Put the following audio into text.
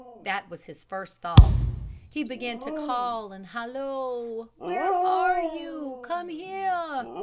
That was his first thought. He began to call and halloo: "Where are you? Come here!"